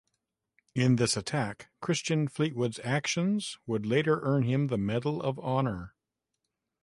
In this attack, Christian Fleetwood's actions would later earn him the Medal of Honor.